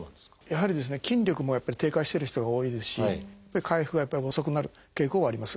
やはり筋力もやっぱり低下してる人が多いですし回復がやっぱり遅くなる傾向はあります。